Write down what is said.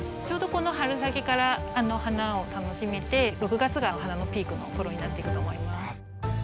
ちょうどこの春先から花を楽しめて６月がお花のピークの頃になっていくと思います。